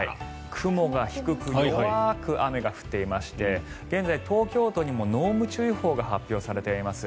雲が低く弱く雨が降っていまして現在、東京都にも濃霧注意報が発表されています。